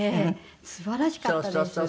素晴らしかったです。